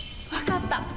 分かった。